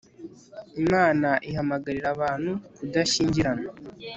imana ihamagarira abantu kudashyingiranwa